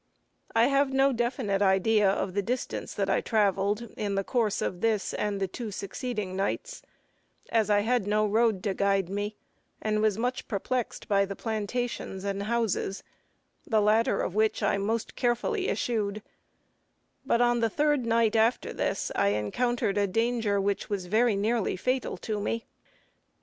I have no definite idea of the distance that I traveled in the course of this and the two succeeding nights, as I had no road to guide me, and was much perplexed by the plantations and houses, the latter of which I most carefully eschewed; but on the third night after this I encountered a danger, which was very nearly fatal to me.